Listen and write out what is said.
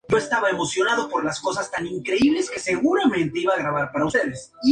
Figure Skating" para ser representada en competiciones nacionales e internacionales.